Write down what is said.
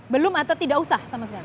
belum atau tidak usah sama sekali